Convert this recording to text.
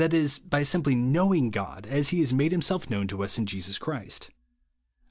is by simply hnowing God as he has made himself known to us in Jesus Christ. (Isa.